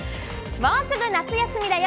もうすぐ夏休みだよ。